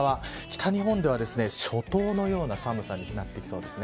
北日本では初冬のような寒さになってきそうです。